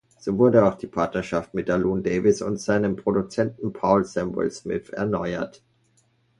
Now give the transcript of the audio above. So wurde auch die Partnerschaft mit Alun Davies und seinem Produzenten Paul Samwell-Smith erneuert.